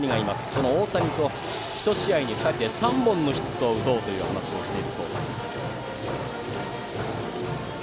その大谷と１試合に３本のヒットを打とうと話をしているそうです。